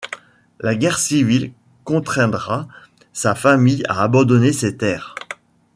La Guerre civile contraindra sa famille à abandonner ses terres.